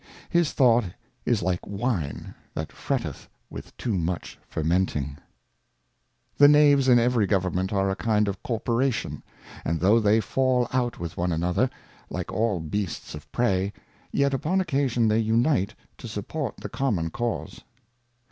His Thought is like Wine that fretteth with too much fermenting. The Knaves in every Government are a kind of Corporation ; and though they fall out with one another, like all Beasts of Prey, yet upon occasion they unite to support the common Cause.